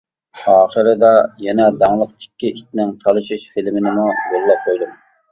ئاخىرىدا يەنە داڭلىق ئىككى ئىتنىڭ تالىشىش فىلىمىنىمۇ يوللاپ قويدۇم.